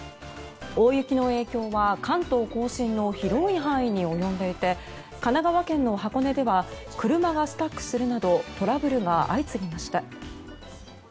大雪の影響は関東・甲信の広い範囲に及んでいて神奈川県の箱根では車がスタックするなどトラブルが相次ぎました。